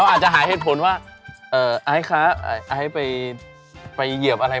คุณจะทำอย่างไร